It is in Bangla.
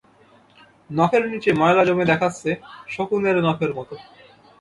নখের নিচে ময়লা জমে দেখাচ্ছে শকুনের নখের মতো।